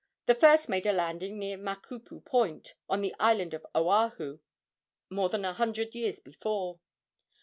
The first made a landing near Makapu Point, on the island of Oahu, more than a hundred years before.